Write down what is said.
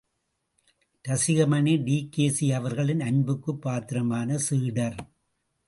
Rasikamani TKC அவர்களின் அன்புக்குப் பாத்திரமான சீடர்.